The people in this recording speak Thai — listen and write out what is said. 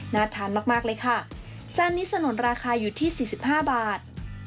น่าทานมากมากเลยค่ะจานนี้สนุนราคาอยู่ที่สี่สิบห้าบาท